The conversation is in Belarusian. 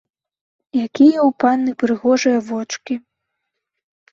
Якія ў панны прыгожыя вочкі.